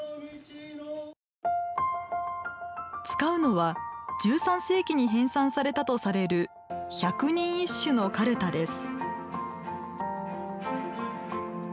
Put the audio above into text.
使うのは１３世紀に編さんされたとされる百人一首のかるたです。